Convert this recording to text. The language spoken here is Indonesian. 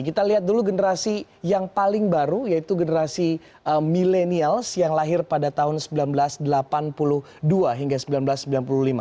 kita lihat dulu generasi yang paling baru yaitu generasi milenials yang lahir pada tahun seribu sembilan ratus delapan puluh dua hingga seribu sembilan ratus sembilan puluh lima